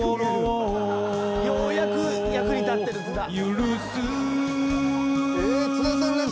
ようやく役に立ってる津田。